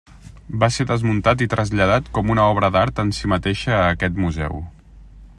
Va ser desmuntat i traslladat com una obra d'art en si mateixa a aquest museu.